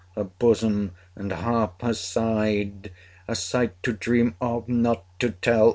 her bosom and half her side A sight to dream of, not to tell!